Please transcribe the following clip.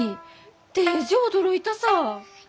デージ驚いたさ。